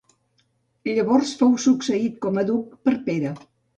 Llavors fou succeït com a duc per Pere.